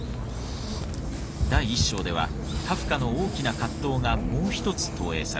第１章ではカフカの大きな葛藤がもう一つ投影されています。